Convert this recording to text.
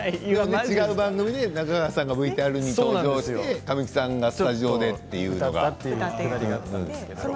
前、違う番組で中川さんがＶＴＲ登場して神木さんがスタジオでというのがありましたけども。